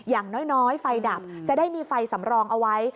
อย่างน้อยไฟดับจะได้มีไฟสำรองเอาไว้